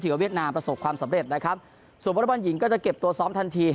กับเวียดนามประสบความสำเร็จนะครับส่วนวอเล็กบอลหญิงก็จะเก็บตัวซ้อมทันที